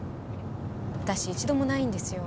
私一度もないんですよ。